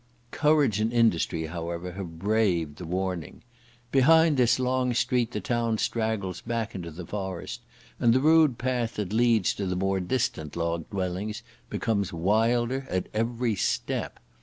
Courage and industry, however, have braved the warning. Behind this long street the town straggles back into the forest, and the rude path that leads to the more distant log dwellings becomes wilder at every step.